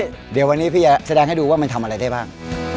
เดี๋ยววันนี้พี่จะแสดงให้ดูว่ามันทำอะไรได้บ้าง